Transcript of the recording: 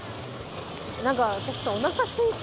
何か私さお腹すいて。